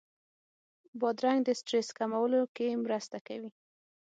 بادرنګ د سټرس کمولو کې مرسته کوي.